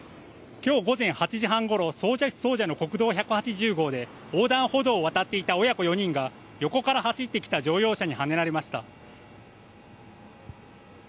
きょう午前８時半ごろ、総社市総社の国道１８０号で、横断歩道を渡っていた親子４人が、横から走ってきた乗用車にはねられました。